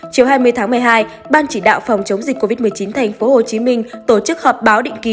chiều hai mươi tháng một mươi hai ban chỉ đạo phòng chống dịch covid một mươi chín tp hcm tổ chức họp báo định kỳ